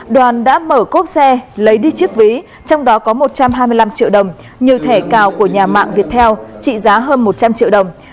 đoàn đã mở cốp xe lấy đi chiếc ví trong đó có một trăm hai mươi năm triệu đồng nhiều thẻ cào của nhà mạng viettel trị giá hơn một trăm linh triệu đồng